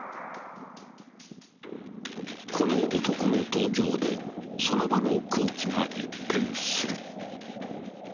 ［この男の登場でその場の空気が一変する］